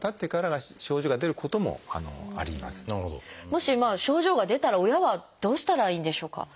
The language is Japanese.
もし症状が出たら親はどうしたらいいんでしょうか？